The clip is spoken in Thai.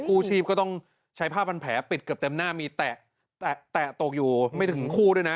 กู้ชีพก็ต้องใช้ผ้าพันแผลปิดเกือบเต็มหน้ามีแตะตกอยู่ไม่ถึงคู่ด้วยนะ